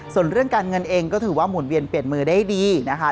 ส่วนเรื่องการเงินเองก็ถือว่าหมุนเวียนเปลี่ยนมือได้ดีนะคะ